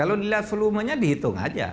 kalau dilihat volumenya dihitung aja